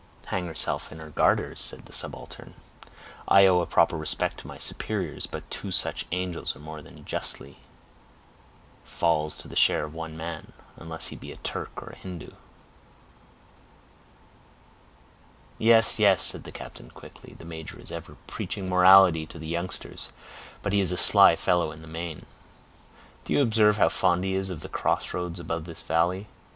"Hang herself in her garters," said the subaltern. "I owe a proper respect to my superiors, but two such angels are more than justly falls to the share of one man, unless he be a Turk or a Hindoo." "Yes, yes," said the captain, quickly, "the major is ever preaching morality to the youngsters, but he is a sly fellow in the main. Do you observe how fond he is of the cross roads above this valley?